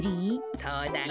そうだよ。